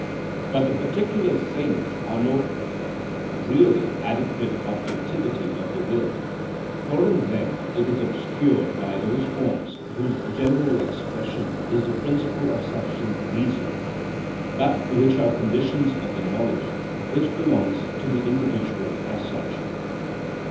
But the particular things are no really adequate objectivity of the will, for in them it is obscured by those forms whose general expression is the principle of sufficient reason, but which are conditions of the knowledge which belongs to the individual as such.